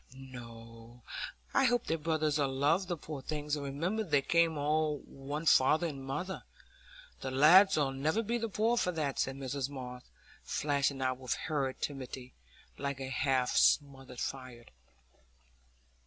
"No; but I hope their brothers 'ull love the poor things, and remember they came o' one father and mother; the lads 'ull never be the poorer for that," said Mrs Moss, flashing out with hurried timidity, like a half smothered fire.